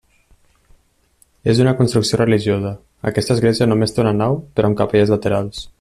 És una construcció religiosa, aquesta església només té una nau però amb capelles laterals.